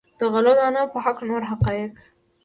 د غلو دانو په هکله نور حقایق.